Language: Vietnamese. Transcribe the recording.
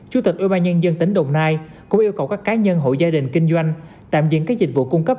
chủ tịch ubnd tỉnh đồng nai cũng yêu cầu các cá nhân hộ gia đình kinh doanh tạm diện các dịch vụ cung cấp